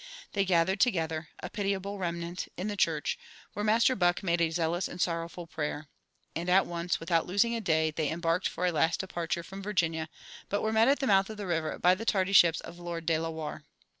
They gathered together, a pitiable remnant, in the church, where Master Buck "made a zealous and sorrowful prayer"; and at once, without losing a day, they embarked for a last departure from Virginia, but were met at the mouth of the river by the tardy ships of Lord de la Warr.